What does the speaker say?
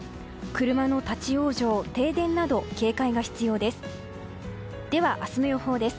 車の立ち往生、停電など警戒が必要です。